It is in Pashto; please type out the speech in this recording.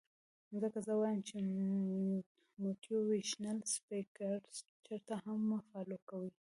ځکه زۀ وائم چې موټيوېشنل سپيکرز چرته هم مۀ فالو کوئ